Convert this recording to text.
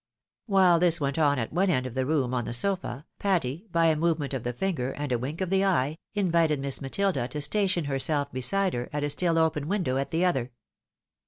While this went on at one end of the room, on the sofa, Patty, by a movement of the finger, and a wink of the eye, invited Miss Matilda to station herself beside her, at a still open window at the other.